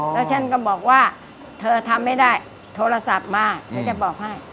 แล้วฉันก็บอกว่าเธอทำไม่ได้โทรศัพท์มาเธอจะบอกให้